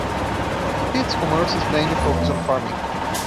Peetz's commerce mainly is focused on farming.